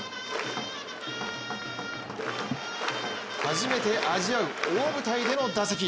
初めて味わう大舞台での打席。